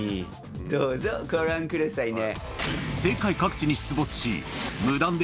どうぞご覧くださいね。